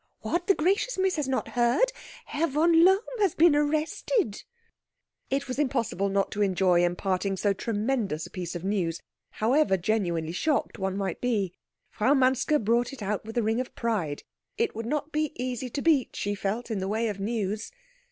"What, the gracious Miss has not heard? Herr von Lohm has been arrested." It was impossible not to enjoy imparting so tremendous a piece of news, however genuinely shocked one might be. Frau Manske brought it out with a ring of pride. It would not be easy to beat, she felt, in the way of news.